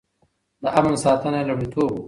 د امن ساتنه يې لومړيتوب و.